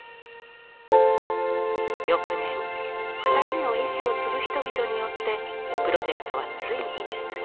翌年２人の遺志を継ぐ人々によってプロジェクトはついに実現。